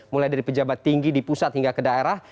mulai dari pejabat tinggi di pusat hingga ke daerah